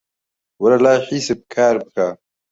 وەرە لای حیزب کار بکە.